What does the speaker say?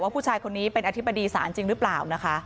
ผู้ชายคนนี้เป็นอธิบดีศาลจริงหรือเปล่านะคะ